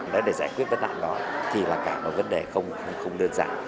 đấy để giải quyết vấn nạn đó thì là cả một vấn đề không đơn giản